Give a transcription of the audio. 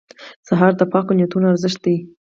سهار د پاکو نیتونو ارزښت دی.